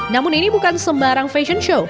namun ini bukan sembarang fashion show